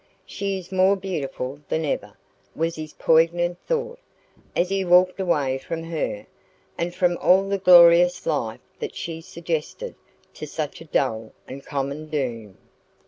"She is more beautiful than ever," was his poignant thought, as he walked away from her, and from all the glorious life that she suggested to such a dull and common doom.